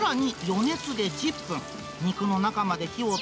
さらに、余熱で１０分。